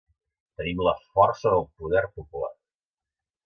Tenim la força del poder popular.